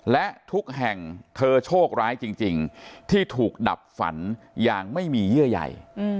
และทุกแห่งเธอโชคร้ายจริงที่ถูกดับฝันอย่างไม่มีเยื่อใหญ่